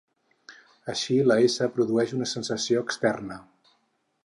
Així, la s produeix una sensació "externa".